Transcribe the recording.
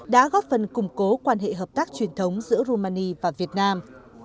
đã góp phần củng cố quan hệ hợp tác truyền thống giữa rumani và việt nam